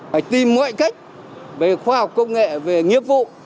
phải tìm mọi cách về khoa học công nghệ về nghiệp vụ